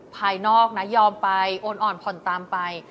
ภายนอกนะยอมไปโอนอ่อนผ่อนตามไป